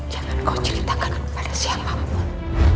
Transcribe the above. jangan kau ceritakan kepada siapa pun